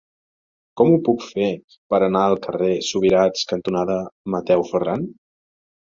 Com ho puc fer per anar al carrer Subirats cantonada Mateu Ferran?